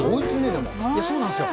そうなんですよ。